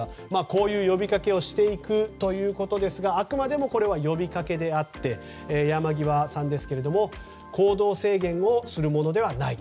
こういう呼びかけをしていくということですがあくまでも呼びかけであって山際さんですけども行動制限をするものではない。